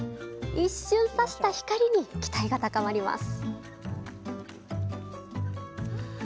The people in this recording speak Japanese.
一瞬さした光に期待が高まります。